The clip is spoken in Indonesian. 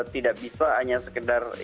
tidak bisa hanya sekedar